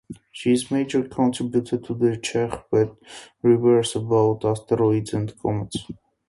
She is major contributor to the Czech web servers about asteroids and comets.